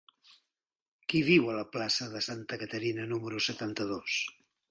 Qui viu a la plaça de Santa Caterina número setanta-dos?